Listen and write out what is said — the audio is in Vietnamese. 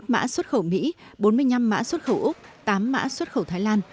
bốn mươi một mã xuất khẩu mỹ bốn mươi năm mã xuất khẩu úc tám mã xuất khẩu thái lan